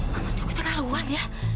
mama cukup terlaluan ya